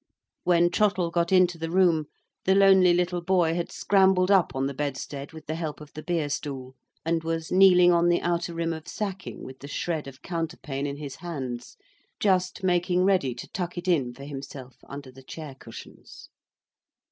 When Trottle got into the room, the lonely little boy had scrambled up on the bedstead with the help of the beer stool, and was kneeling on the outer rim of sacking with the shred of counterpane in his hands, just making ready to tuck it in for himself under the chair cushions.